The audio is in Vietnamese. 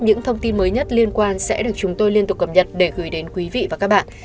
những thông tin mới nhất liên quan sẽ được chúng tôi liên tục cập nhật để gửi đến quý vị và các bạn